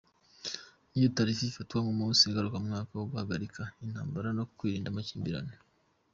Iyo tariki ifatwa nk’umunsi ngarukamwaka wo guhagarika intambara no kwirinda amakimbirane.